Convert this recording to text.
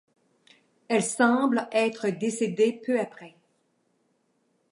Elle semble être décédée peu après.